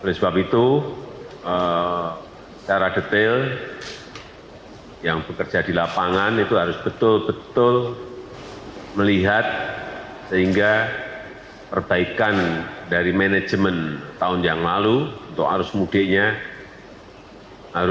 oleh sebab itu secara detail yang bekerja di lapangan itu harus betul betul melihat sehingga perbaikan dari manajemen tahun yang lalu untuk arus mudiknya